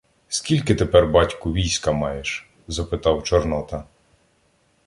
— Скільки тепер, батьку, війська маєш? — запитав Чорнота.